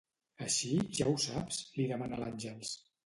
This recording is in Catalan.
Així, ja ho saps? –li demana l'Àngels.